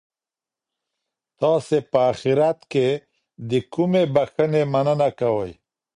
تاسي په اخیرت کي د کومې بښنې مننه کوئ؟